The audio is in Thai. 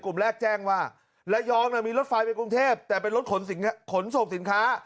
กลุ่มแรกแจ้งว่าระยองมีรถไฟไปกรุงเทพแต่เป็นรถขนส่งสินค้า